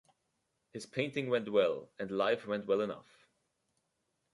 His painting went well, and life went well enough.